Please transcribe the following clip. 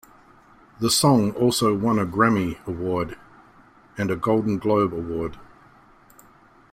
The song also won a Grammy award and a Golden Globe award.